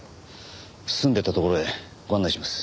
住んでいた所へご案内します。